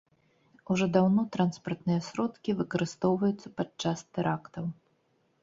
Ужо даўно транспартныя сродкі выкарыстоўваюцца падчас тэрактаў.